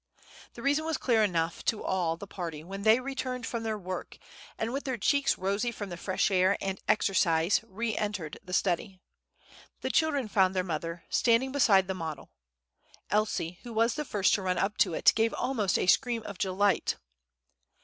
The reason was clear enough to all the party when they returned from their walk, and with their cheeks rosy from the fresh air and exercise re entered the study. The children found their mother standing beside the model. Elsie, who was the first to run up to it, gave almost a scream of delight.